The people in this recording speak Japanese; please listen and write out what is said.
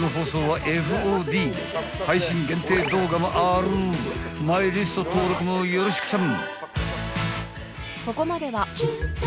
［配信限定動画もあるマイリスト登録もよろしくちゃん］